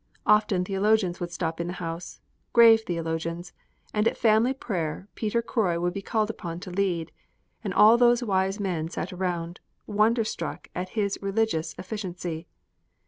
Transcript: Often theologians would stop in the house grave theologians and at family prayer Peter Croy would be called upon to lead; and all those wise men sat around, wonder struck at his religious efficiency.